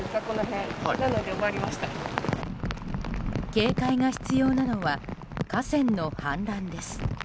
警戒が必要なのは河川の氾濫です。